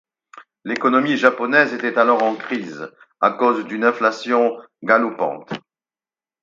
L'économie japonaise était alors en crise à cause d'une inflation galopante.